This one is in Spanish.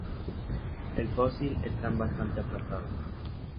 El fósil están bastante aplastado.